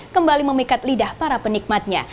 kembali memikat lidah para penikmatnya